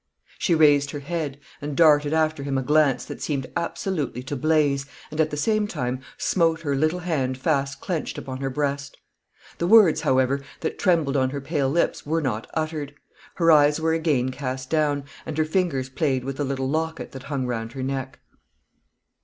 She raised her head, and darted after him a glance that seemed absolutely to blaze, and at the same time smote her little hand fast clenched upon her breast. The words, however, that trembled on her pale lips were not uttered; her eyes were again cast down, and her fingers played with the little locket that hung round her neck.